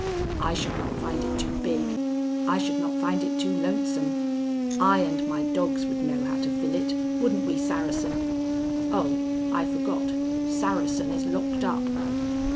I should not find it too big. I should not find it too lonesome. I and my dogs would know how to fill it, wouldn't we, Saracen? Oh, I forgot, Saracen is locked up."